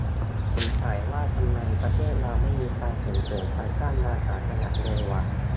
สงสัยว่าทำไม ประเทศเราไม่มีการส่งเสริมการสร้างงาน ต่างจังหวัดเลยวะ